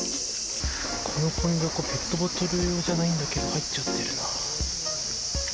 このごみ箱、ペットボトル用じゃないんだけど、入っちゃってるな。